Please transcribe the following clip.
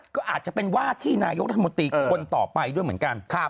ก็อาจจะเป็นว่าที่นายกรัฐมนตรีคนต่อไปด้วยเหมือนกัน